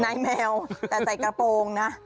นายแมวแต่ใส่กระโปรงนะ